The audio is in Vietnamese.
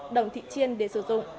đồng thị chiên để sử dụng